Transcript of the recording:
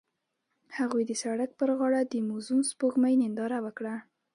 هغوی د سړک پر غاړه د موزون سپوږمۍ ننداره وکړه.